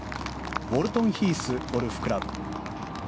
ウォルトンヒースゴルフクラブ。